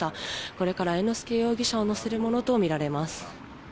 これから猿之助容疑者を乗せるものと見られます。